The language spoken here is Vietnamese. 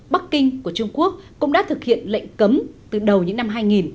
bắc kinh của trung quốc cũng đã thực hiện lệnh cấm từ đầu những năm hai nghìn